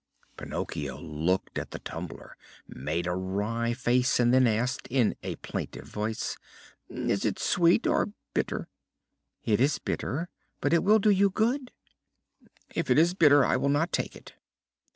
Pinocchio looked at the tumbler, made a wry face, and then asked in a plaintive voice: "Is it sweet or bitter?" "It is bitter, but it will do you good." "If it is bitter, I will not take it."